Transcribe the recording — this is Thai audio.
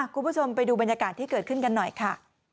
คุณผู้ชมไปดูบรรยากาศที่เกิดขึ้นกันหน่อยค่ะ